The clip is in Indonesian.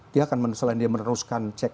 dia akan selain dia meneruskan cek